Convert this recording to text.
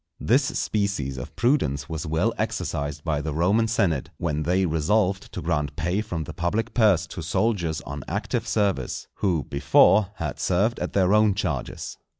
This species of prudence was well exercised by the Roman senate when they resolved to grant pay from the public purse to soldiers on active service, who, before, had served at their own charges.